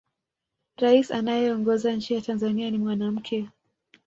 rais anayeongoza nchi ya tanzania ni mwanamke